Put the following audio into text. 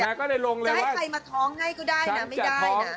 ก็เลยลงเลยจะให้ใครมาท้องให้ก็ได้นะไม่ได้นะ